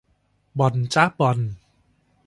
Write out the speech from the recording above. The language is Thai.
บอลจ้ะบอล